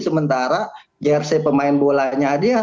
sementara jrc pemain bolanya